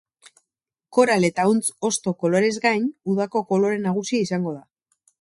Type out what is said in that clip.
Koral eta ahuntz-hosto koloreez gain, udako kolore nagusia izango da.